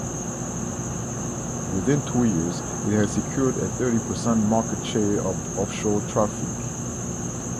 Within two years it had secured a thirty-percent market share of the offshore traffic.